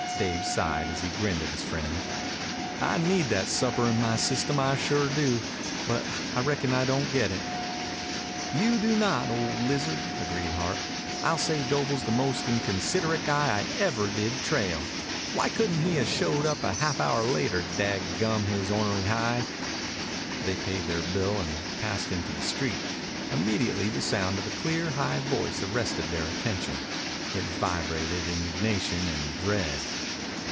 Dave sighed as he grinned at his friend. "I need that supper in my system. I sure do, but I reckon I don't get it." "You do not, old lizard," agreed Hart. "I'll say Doble's the most inconsiderate guy I ever did trail. Why couldn't he 'a' showed up a half hour later, dad gum his ornery hide?" They paid their bill and passed into the street. Immediately the sound of a clear, high voice arrested their attention. It vibrated indignation and dread.